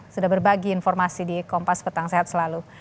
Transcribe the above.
sudah berbagi informasi di kompas petang sehat selalu